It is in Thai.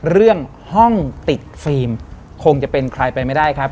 เรื่องห้องติดฟิล์มคงจะเป็นใครไปไม่ได้ครับ